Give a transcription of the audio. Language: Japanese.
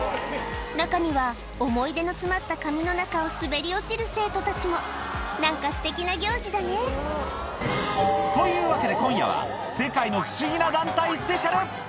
中には思い出の詰まった紙の中を滑り落ちる生徒たちも。というわけで今夜は、世界の不思議な団体スペシャル。